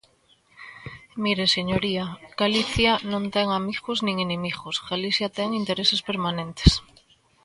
Mire, señoría, Galicia non ten amigos nin inimigos, Galicia ten intereses permanentes.